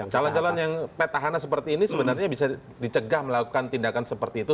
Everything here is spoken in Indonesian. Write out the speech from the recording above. calon calon yang petahana seperti ini sebenarnya bisa dicegah melakukan tindakan seperti itu